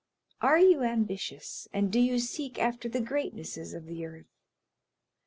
Are you ambitious, and do you seek after the greatnesses of the earth?